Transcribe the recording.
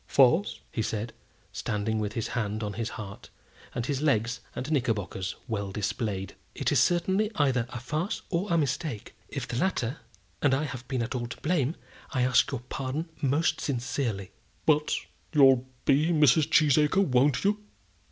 "Farce!" said he, standing with his hand on his heart, and his legs and knickerbockers well displayed. "It is certainly either a farce or a mistake. If the latter, and I have been at all to blame, I ask your pardon most sincerely." "But you'll be Mrs. Cheesacre; won't you?"